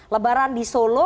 lebaran di solo